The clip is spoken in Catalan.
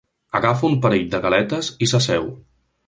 Agafa un parell de galetes i s'asseu.